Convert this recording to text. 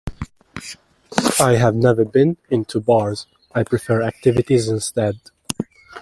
I've never been into bars I prefer activities instead.